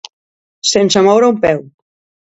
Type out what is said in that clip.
Sense moure un peu.